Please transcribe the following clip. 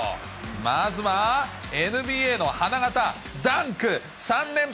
まずは、ＮＢＡの花形、ダンク３連発。